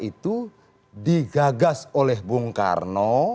itu digagas oleh bung karno